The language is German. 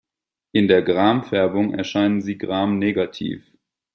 In der Gram-Färbung erscheinen sie gramnegativ.